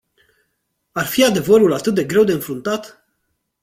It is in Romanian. Ar fi adevărul atât de greu de înfruntat?